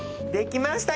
きました